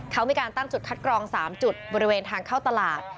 เขามีการตั้งจุดคัดกรอง๓จุดบริเวณทางเข้าตลาด